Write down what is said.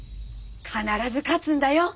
必ず勝つんだよ。